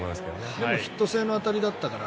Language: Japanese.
でもヒット性の当たりだったから。